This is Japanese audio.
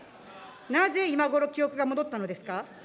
なぜ今ごろ記憶が戻ったのですか。